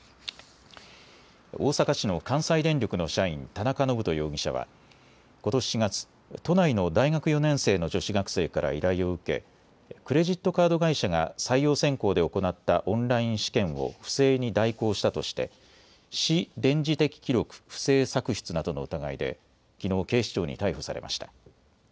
大阪市の関西電力の社員、田中信人容疑者はことし４月、都内の大学４年生の女子学生から依頼を受けクレジットカード会社が採用選考で行ったオンライン試験を不正に代行したとして私電磁的記録不正作出などの疑いできのう警視庁に逮捕されました。